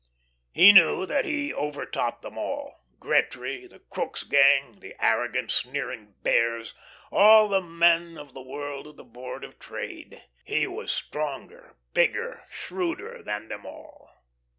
He knew that he overtopped them all Gretry, the Crookes gang, the arrogant, sneering Bears, all the men of the world of the Board of Trade. He was stronger, bigger, shrewder than them all.